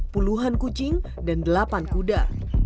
puluhan kucing dan delapan kuda